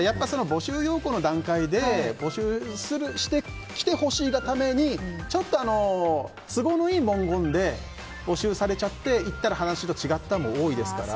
募集要項の段階で募集して、来てほしいがためにちょっと都合のいい文言で募集されちゃって行ったら話と違ったも多いですから。